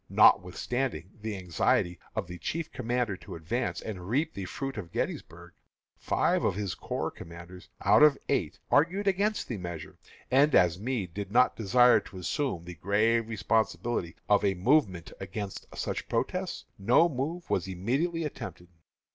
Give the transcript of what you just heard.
Notwithstanding the anxiety of the chief commander to advance and reap fully the fruit of Gettysburg, five of his corps commanders, out of eight, argued against the measure, and as Meade did not desire to assume the grave responsibility of a movement against such protests, no move was immediately attempted.